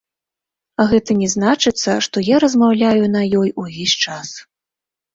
Гэта не значыцца, што я размаўляю на ёй увесь час.